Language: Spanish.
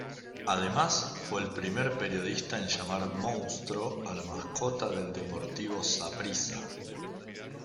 Además fue el primer periodista en llamar "Monstruo" a la mascota del Deportivo Saprissa.